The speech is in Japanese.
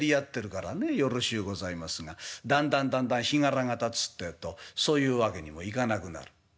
よろしゅうございますがだんだんだんだん日柄がたつってえとそういうわけにもいかなくなる。